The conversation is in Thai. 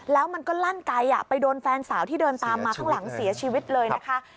แล้วมันก็ลั่นไกลไปโดนแฟนสาวที่เดินตามมาข้างหลังเสียชีวิตเลยนะคะ